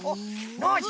ノージー